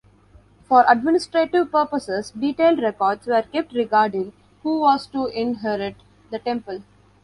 For administrative purposes, detailed records were kept regarding who was to inherit the temple.